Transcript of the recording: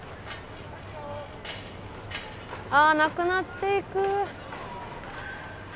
あなくなっていく。